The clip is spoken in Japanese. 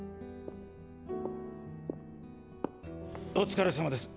お疲れさまです。